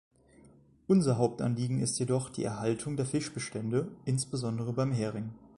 Unser Hauptanliegen ist jedoch die Erhaltung der Fischbestände, insbesondere beim Hering.